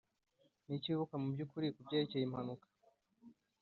niki wibuka mubyukuri kubyerekeye impanuka?